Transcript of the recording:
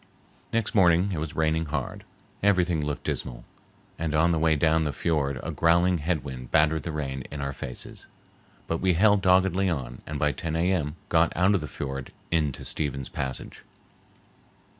Next morning it was raining hard, everything looked dismal, and on the way down the fiord a growling head wind battered the rain in our faces, but we held doggedly on and by 10 A.M. got out of the fiord into Stephens Passage.